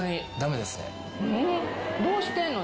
どうしてんの？